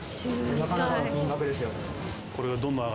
なかなかの金額ですよね。